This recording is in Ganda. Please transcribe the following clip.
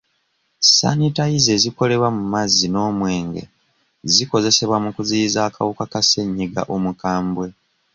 Sanitayiza ezikolebwa mu mazzi n'omwenge zikozesebwa mu kuziyiza akawuka ka ssenyiga omukambwe.